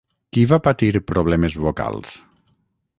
Qui va patir problemes vocals?